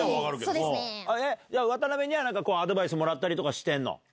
渡辺にはなんかアドバイスもらったりとかしてんの？